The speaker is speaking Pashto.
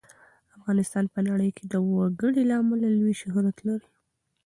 افغانستان په نړۍ کې د وګړي له امله لوی شهرت لري.